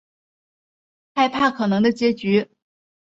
害怕可能的结局